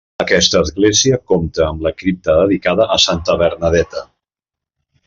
Aquesta església compta amb la cripta dedicada a Santa Bernadeta.